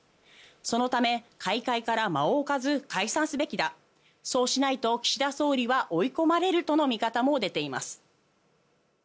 そのため開会から間を置かず解散すべきだそうしないと岸田総理は追い込まれるとの見方も出ています。